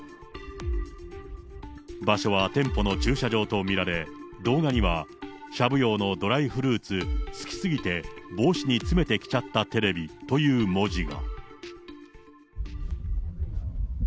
場所は店舗の駐車場と見られ、動画には、しゃぶ葉のドライフルーツ好きすぎて帽子に詰めてきちゃったＴＶという文字が。